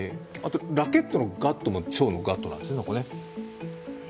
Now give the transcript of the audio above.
ラケットのガットも腸のガットなんですね。